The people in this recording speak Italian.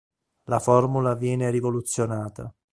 La formula viene rivoluzionata.